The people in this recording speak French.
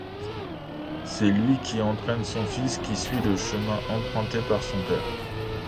C'est lui qui entraîne son fils qui suit le chemin emprunté par son père.